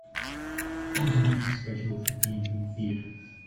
Find the movie schedule for B&B Theatres.